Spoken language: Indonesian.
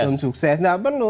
tim sukses tidak perlu